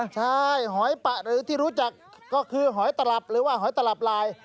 ใช่หอยปะหรือที่รู้จักก็คือหอยตลับหรือว่าหอยตลับลาย